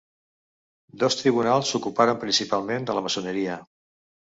Dos tribunals s'ocuparen principalment de la maçoneria.